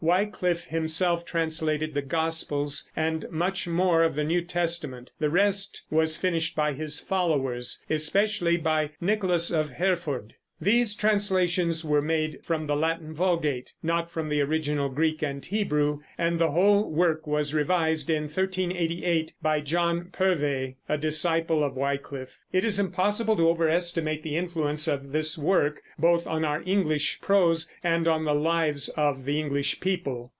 Wyclif himself translated the gospels, and much more of the New Testament; the rest was finished by his followers, especially by Nicholas of Hereford. These translations were made from the Latin Vulgate, not from the original Greek and Hebrew, and the whole work was revised in 1388 by John Purvey, a disciple of Wyclif. It is impossible to overestimate the influence of this work, both on our English prose and on the lives of the English people.